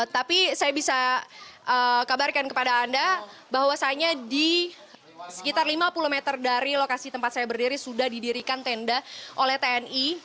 tapi saya bisa kabarkan kepada anda bahwasannya di sekitar lima puluh meter dari lokasi tempat saya berdiri sudah didirikan tenda oleh tni